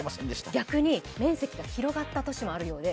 逆に面積が広がった都市もあるようで、